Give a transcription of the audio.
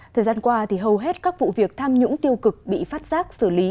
thời gian qua hầu hết các vụ việc tham nhũng tiêu cực bị phát giác xử lý